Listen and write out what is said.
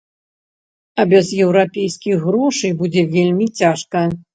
А без еўрапейскіх грошай будзе вельмі цяжка.